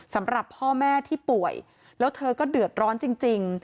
สำหรับพ่อแม่ที่ป่วยแล้วเธอก็เดือดร้อนจริง